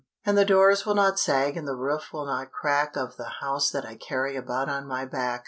And the doors will not sag and the roof will not crack Of the house that I carry about on my back.